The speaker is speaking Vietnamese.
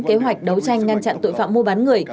kế hoạch đấu tranh ngăn chặn tội phạm mua bán người